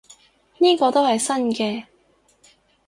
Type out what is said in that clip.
呢個都係新嘅